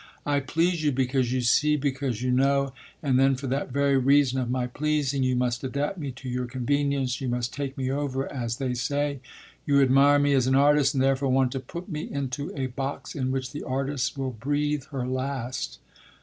I please you because you see, because you know; and then for that very reason of my pleasing you must adapt me to your convenience, you must take me over, as they say. You admire me as an artist and therefore want to put me into a box in which the artist will breathe her last.